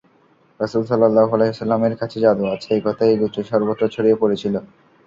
রাসূল সাল্লাল্লাহু আলাইহি ওয়াসাল্লাম-এর কাছে জাদু আছে একথা এই গোত্রের সর্বত্র ছড়িয়ে পড়েছিল।